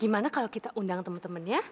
gimana kalau kita undang temen temennya